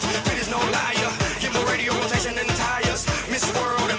senang bisa ketemu teman teman milenial